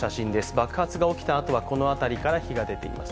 爆発が起きたあとはこの辺りから火が出ています。